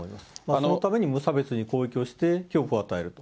そのために無差別に攻撃をして、恐怖を与える。